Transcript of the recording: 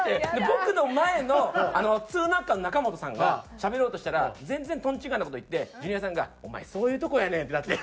僕の前のツーナッカンの中本さんがしゃべろうとしたら全然とんちんかんな事言ってジュニアさんが「お前そういうとこやねん」ってなって。